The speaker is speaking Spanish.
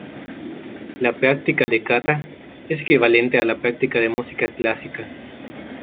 La práctica de "kata" es equivalente a la práctica de música clásica.